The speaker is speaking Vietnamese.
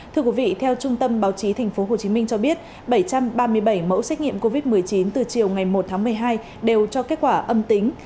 thưa quý vị theo trung tâm báo chí tp hcm cho biết bảy trăm ba mươi bảy mẫu xét nghiệm covid một mươi chín từ chiều ngày một tháng một mươi hai đều cho kết quả âm tính